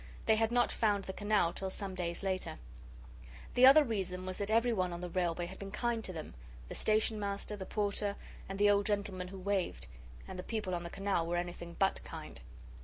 They had not found the canal till some days later. The other reason was that everyone on the railway had been kind to them the Station Master, the Porter, and the old gentleman who waved. And the people on the canal were anything but kind.